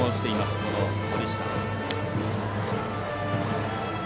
この森下。